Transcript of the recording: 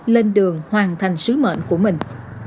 lên đường hoàn thành sứ mệnh của mình